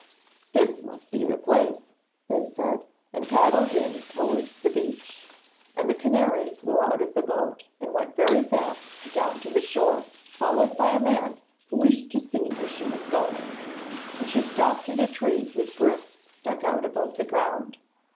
'This must be the place,' they said, and paddled in towards the beach, and the canary flew out of the boat and went very fast down to the shore followed by a man who wished to see where she was going, and she stopped at a tree whose roots stuck out above the ground.